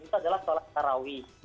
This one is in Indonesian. itu adalah salat sarawi